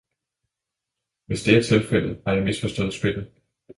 Hvis det er tilfældet, så har jeg misforstået spillet.